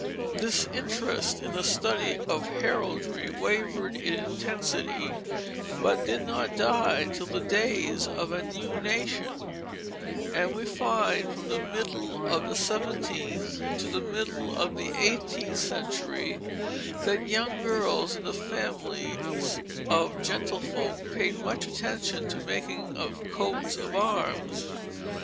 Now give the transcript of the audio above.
This interest in the study of heraldry wavered in intensity but did not die till the days of a new nation; and we find from the middle of the seventeenth to the middle of the eighteenth century that young girls in the families of gentlefolk paid much attention to the making of coats of arms.